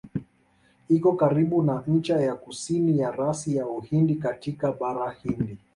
Iko karibu na ncha ya kusini ya rasi ya Uhindi katika Bahari Hindi.